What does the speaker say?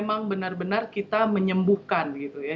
memang benar benar kita menyembuhkan gitu ya